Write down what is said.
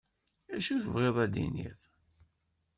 Acu tebɣiḍ ad tiniḍ?